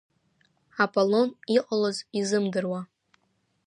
Аполон иҟалаз изымдыруа.